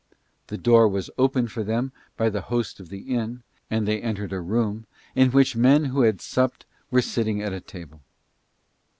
The door was opened for them by the host of the inn, and they entered a room in which men who had supped were sitting at a table.